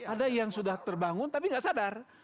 ada yang sudah terbangun tapi nggak sadar